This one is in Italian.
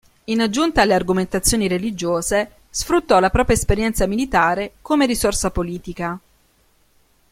In aggiunta alle argomentazioni religiose, sfruttò la propria esperienza militare come risorsa politica.